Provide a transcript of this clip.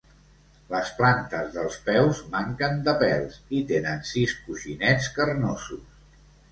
Les plantes dels peus manquen de pèls i tenen sis coixinets carnosos.